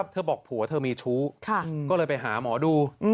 เธอบอกผัวเธอมีชู้ก็เลยไปหาหมอดู